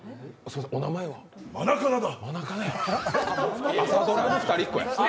マナカナだ。